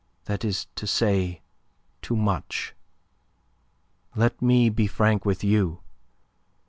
That is to say too much. Let me be frank with you.